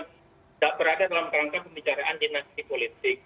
tidak berada dalam rangka pembicaraan dinasti politik